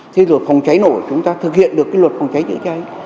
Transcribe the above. thế rồi phòng trái nổ chúng ta thực hiện được cái luật phòng trái dự trái